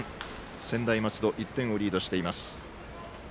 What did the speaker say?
専大松戸、１点リードしています。